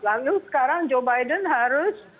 lalu sekarang joe biden harus